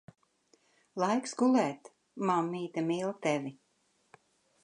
Laiks gulēt. Mammīte mīl tevi.